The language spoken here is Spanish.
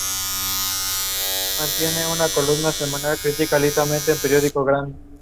Mientras tanto, el ducado estaba resentido todavía por la Guerra de los Treinta Años.